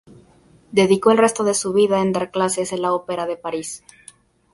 Dedicó el resto de su vida en dar clases en la Ópera de París.